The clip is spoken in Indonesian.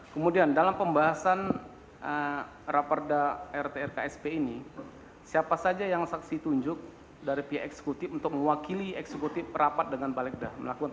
kemudian dalam pembahasan raperda rtrksp ini siapa saja yang saksi tunjuk dari pihak eksekutif untuk mewakili eksekutif rapat dengan balegda